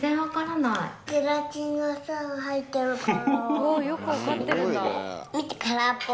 およく分かってるんだ。